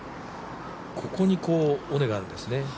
ここに、こう尾根があるんですね。